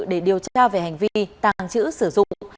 để điều tra về hành vi tàng trữ sử dụng